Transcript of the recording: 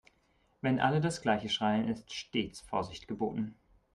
Wenn alle das gleiche schreien, ist stets Vorsicht geboten.